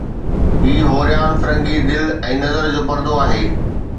هي هوريان فرنگي دل ۽ نظر جو پردو آهي